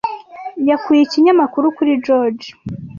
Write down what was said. Yakuye ikinyamakuru kuri George.